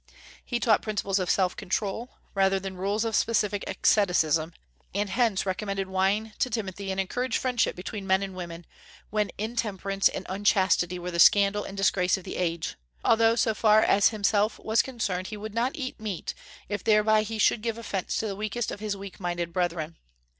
He taught principles of self control rather than rules of specific asceticism, and hence recommended wine to Timothy and encouraged friendship between men and women, when intemperance and unchastity were the scandal and disgrace of the age; although so far as himself was concerned, he would not eat meat, if thereby he should give offence to the weakest of his weak minded brethren.